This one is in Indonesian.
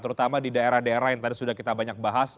terutama di daerah daerah yang tadi sudah kita banyak bahas